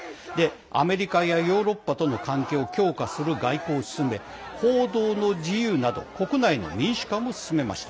アメリカやヨーロッパとの関係を強化する外交を進め報道の自由など国内の民主化も進めました。